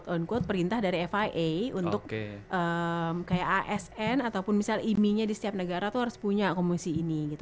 sebuah quote on quote perintah dari fia untuk kayak asn ataupun misal imi nya di setiap negara itu harus punya komisi ini gitu